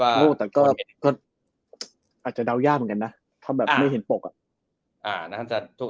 อาจจะเดายากเหมือนกันนะถ้าไม่เห็นปก